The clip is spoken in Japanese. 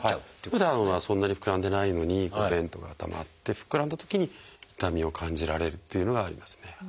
ふだんはそんなに膨らんでないのに便とかがたまって膨らんだときに痛みを感じられるっていうのがありますね。